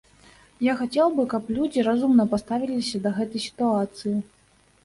Я хацеў бы, каб людзі разумна паставіліся да гэтай сітуацыі.